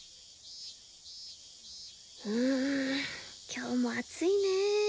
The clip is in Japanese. うん今日も暑いね。